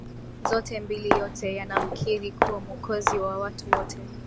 zote mbili Yote yanamkiri kuwa Mwokozi wa watu wote